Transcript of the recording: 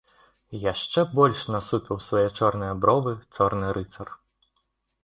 Яшчэ больш насупіў свае чорныя бровы чорны рыцар.